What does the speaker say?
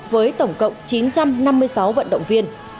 với tổng cộng chín trăm năm mươi sáu vận động viên